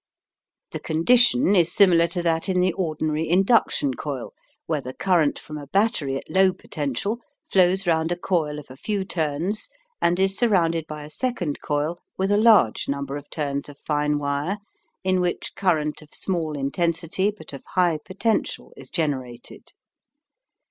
The condition is similar to that in the ordinary induction coil where the current from a battery at low potential flows around a coil of a few turns and is surrounded by a second coil with a large number of turns of fine wire in which current of small intensity but of high potential is generated.